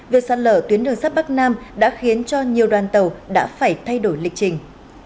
việc sạt lở tuyến đường sắt bắc nam đã khiến cho nhiều đoàn tàu đã phải thay đổi lịch trình